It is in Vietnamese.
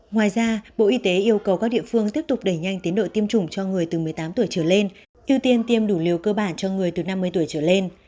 ngoài ra bộ y tế yêu cầu các địa phương tiếp tục đẩy nhanh tiến độ tiêm chủng cho người từ một mươi tám tuổi trở lên ưu tiên tiêm đủ liều cơ bản cho người từ năm mươi tuổi trở lên